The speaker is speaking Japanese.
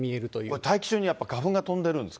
これ、大気中にやっぱ花粉が飛んでるんですか。